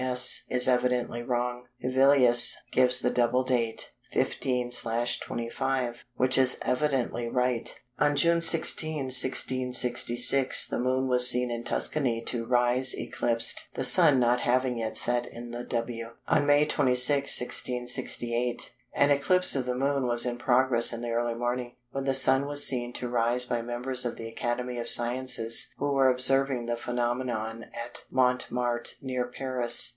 S. is evidently wrong. Hevelius gives the double date, 15/25, which is evidently right. On June 16, 1666, the Moon was seen in Tuscany to rise eclipsed, the Sun not having yet set in the W. On May 26, 1668, an eclipse of the Moon was in progress in the early morning, when the Sun was seen to rise by members of the Academy of Sciences who were observing the phenomenon at Montmartre near Paris.